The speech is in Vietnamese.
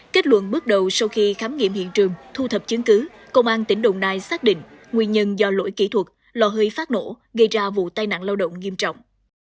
kết luận bước đầu sau khi khám nghiệm hiện trường thu thập chứng cứ công an tỉnh đồng nai xác định nguyên nhân do lỗi kỹ thuật lò hơi phát nổ gây ra vụ tai nạn lao động nghiêm trọng